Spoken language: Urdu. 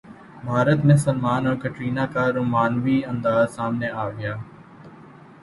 بھارت میں سلمان اور کترینہ کا رومانوی انداز سامنے اگیا